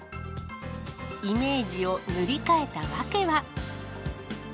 イメージを塗り替えた訳は。